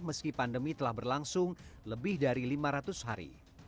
meski pandemi telah berlangsung lebih dari lima ratus hari